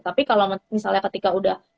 tapi kalau misalnya ketika udah